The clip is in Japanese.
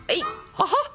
ハハッ！